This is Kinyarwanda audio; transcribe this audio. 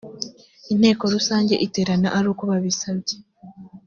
inteko rusange iterana ari uko babisabye